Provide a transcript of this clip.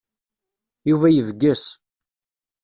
Yuba yebges.